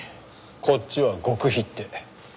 こっちは「極秘」って。